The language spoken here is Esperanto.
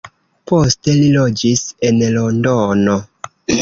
Poste li loĝis en Londono.